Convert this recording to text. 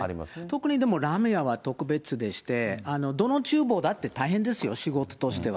特にラーメン屋は特別でして、どのちゅう房だって大変ですよ、仕事としては。